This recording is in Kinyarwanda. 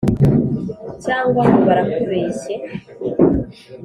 cyangwa ngo barakubeshye